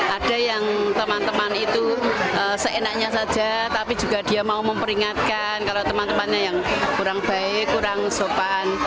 ada yang teman teman itu seenaknya saja tapi juga dia mau memperingatkan kalau teman temannya yang kurang baik kurang sopan